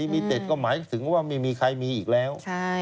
มีใครมีอีกแล้ว